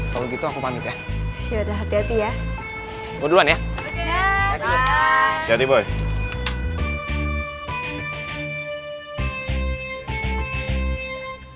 kalau gitu ya kayaknya si reva gak perlu ngelawan nyokap gue deh